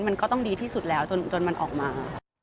มันก็ต้องดีที่สุดแล้วจนมันออกมา